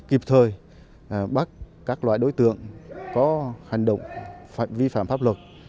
kịp thời bắt các loại đối tượng có hành động phải vi phạm pháp luật